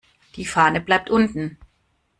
Die Fahne bleibt unten.